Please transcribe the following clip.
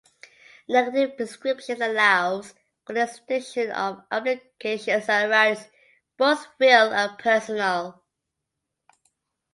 Negative prescription allows for the extinction of obligations and rights (both real and personal).